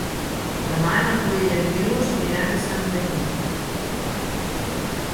Demà na Cloè i en Milos aniran a Santanyí.